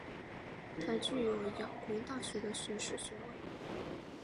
他具有仰光大学的学士学位。